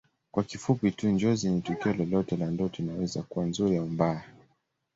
Kwa kifupi tu Njozi ni tukio lolote la ndoto inaweza kuwa nzuri au mbaya